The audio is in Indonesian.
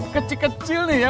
kecil kecil nih ya